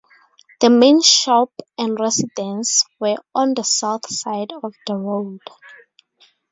The main shop and residence were on the south side of the road.